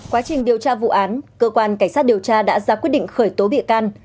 quá trình điều tra vụ án cơ quan cảnh sát điều tra đã ra quyết định khởi tố bị can